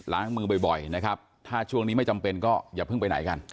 ล้างมือบ่อยนะครับถ้าช่วงนี้ไม่จำเป็นก็อย่าเพิ่งไปไหนกัน